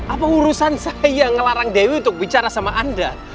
apa urusan saya yang ngelarang dewi untuk bicara sama anda